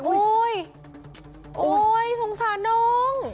อุ้ยสงสารน้อง